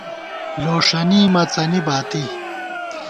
لوݭَنی مَڅنی باتی